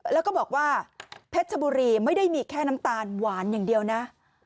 แล้วก็บอกว่าเพชรชบุรีไม่ได้มีแค่น้ำตาลหวานอย่างเดียวนะ